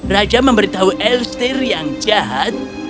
raja memberitahu elster yang jahat